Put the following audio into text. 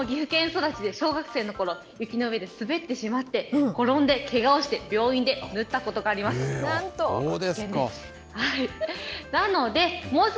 私も岐阜県育ちで小学生のころ、雪の上で滑ってしまって、転んでけがをして病院で縫ったことがあそうですか。